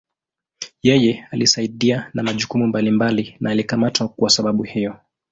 Yeye alisaidia na majukumu mbalimbali na alikamatwa kuwa sababu hiyo.